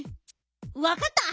わかった！